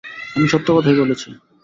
আমি সত্যি কথাই বলেছি।